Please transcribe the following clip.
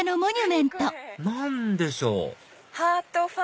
何でしょう？